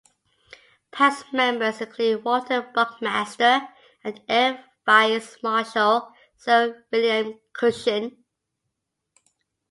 Past members include Walter Buckmaster and Air Vice-Marshal Sir William Cushion.